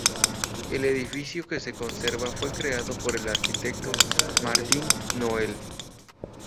El edificio que se conserva fue creado por el arquitecto Martín Noel.